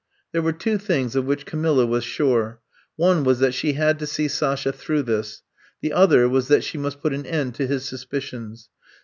There were two things of which Camilla was sure. One was that she had to see Sasha through this ; the other was that she must put an end to his suspicions.